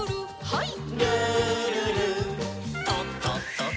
はい。